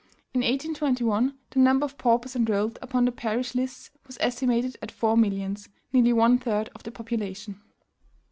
"In 1821, the number of paupers enrolled upon the parish lists was estimated at four millions, nearly one third of the population.